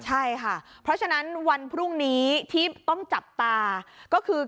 ใช่ค่ะเพราะฉะนั้นวันพรุ่งนี้ที่ต้องจับตาก็คือ